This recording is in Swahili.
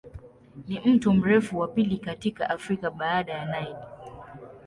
Ni mto mrefu wa pili katika Afrika baada ya Nile.